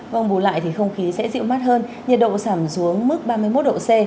vâng bù lại thì không khí sẽ dịu mát hơn nhiệt độ giảm xuống mức ba mươi một độ c